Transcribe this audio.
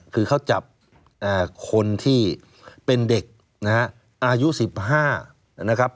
คือเขาจับคนที่เป็นเด็กนะฮะอายุ๑๕นะครับ